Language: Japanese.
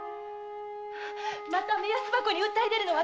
また目安箱に訴え出るのは？